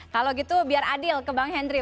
kalau gitu biar adil ke bang henry